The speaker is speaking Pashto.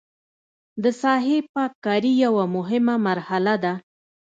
د ساحې پاک کاري یوه مهمه مرحله ده